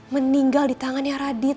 meninggal di tangannya radit